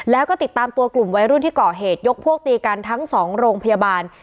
แล้วก็ติดตามตัวกลุ่มวัยรุ่นที่ก่อเหตุยกพวกตีกันทั้งสองโรงพยาบาล